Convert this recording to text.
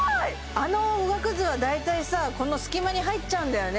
あのおがくずは大体さこの隙間に入っちゃうんだよね